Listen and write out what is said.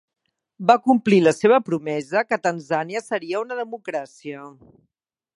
Va complir la seva promesa que Tanzània seria una democràcia.